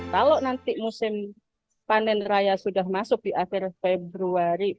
kalau nanti musim panen raya sudah masuk di akhir februari